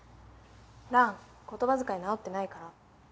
ラン言葉遣い直ってないから。